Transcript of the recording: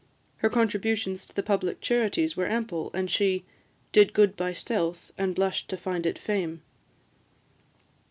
Her contributions to the public charities were ample, and she "Did good by stealth, and blush'd to find it fame."